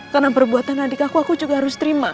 karena perbuatan adik aku aku juga harus terima